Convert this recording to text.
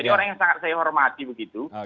ini orang yang sangat saya hormati begitu